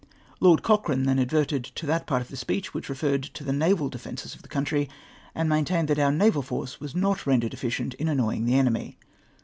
" Lord Cochrane then adverted to that part of the speech whicli referred to the naval defences of the country, and maintained that our naval force was not rendered efficient in annoying the enemy.